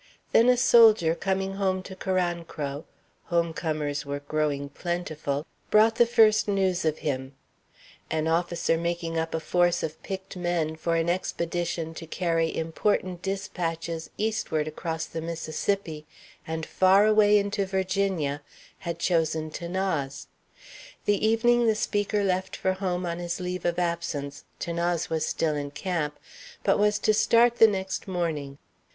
Then a soldier coming home to Carancro home comers were growing plentiful brought the first news of him. An officer making up a force of picked men for an expedition to carry important despatches eastward across the Mississippi and far away into Virginia had chosen 'Thanase. The evening the speaker left for home on his leave of absence 'Thanase was still in camp, but was to start the next morning.